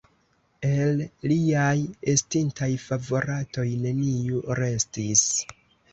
El liaj estintaj favoratoj neniu restis.